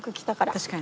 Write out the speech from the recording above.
確かに。